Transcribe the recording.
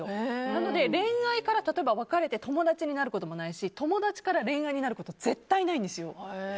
なので恋愛から別れて友達になることもないし友達から恋愛になることも絶対にないんですよ。